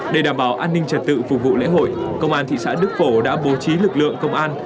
để đảm bảo an ninh trật tự phục vụ lễ hội công an thị xã đức phổ đã bố trí lực lượng công an